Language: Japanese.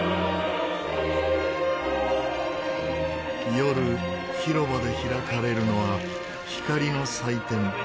夜広場で開かれるのは光の祭典。